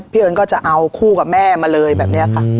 เอิญก็จะเอาคู่กับแม่มาเลยแบบนี้ค่ะ